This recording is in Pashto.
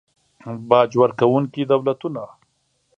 باج ورکونکي دولتونه